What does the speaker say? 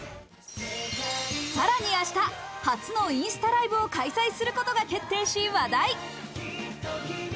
さらに明日、初のインスタライブを開催することが決定し話題。